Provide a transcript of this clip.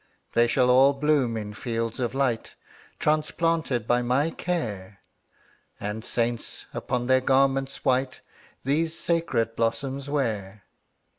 ``They shall all bloom in fields of light, Transplanted by my care, And saints, upon their garments white, These sacred blossoms wear.''